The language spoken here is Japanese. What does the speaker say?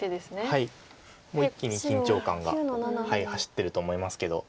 もう一気に緊張感が走ってると思いますけど。